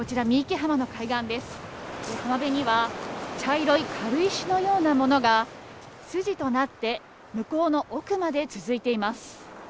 浜辺には茶色い軽石のようなものが筋となって向こうの奥まで続いています。